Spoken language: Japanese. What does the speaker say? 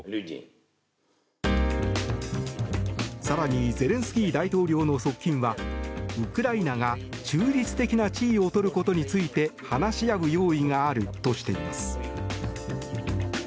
更にゼレンスキー大統領の側近はウクライナが中立的な地位を取ることについて話し合う用意があるとしています。